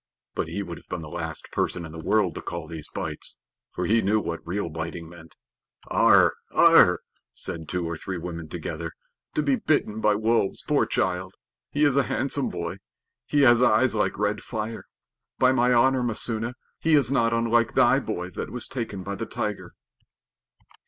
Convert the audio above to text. But he would have been the last person in the world to call these bites, for he knew what real biting meant. "Arre! Arre!" said two or three women together. "To be bitten by wolves, poor child! He is a handsome boy. He has eyes like red fire. By my honor, Messua, he is not unlike thy boy that was taken by the tiger."